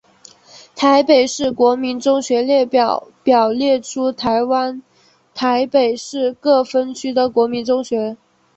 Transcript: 台北市国民中学列表表列出台湾台北市各分区的国民中学。